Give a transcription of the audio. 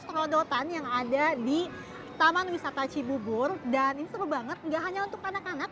sekolah dotan yang ada di taman wisata cibubur dan ini seru banget nggak hanya untuk anak anak